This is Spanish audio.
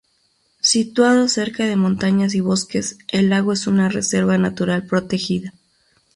Situado cerca de montañas y bosques, el lago es una reserva natural protegida.